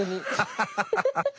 ハハハハッ！